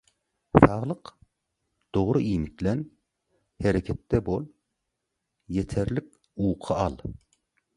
Saglyk? Dogry iýmitlen, hereketde bol, ýeterlik uky al…